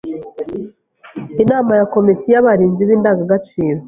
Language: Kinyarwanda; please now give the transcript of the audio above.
Inama ya komite y’abarinzi b’indangagaciro